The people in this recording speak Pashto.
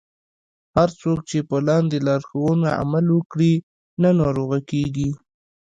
هر څوک چې په لاندې لارښوونو عمل وکړي نه ناروغه کیږي.